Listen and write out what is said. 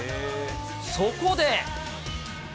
そこで。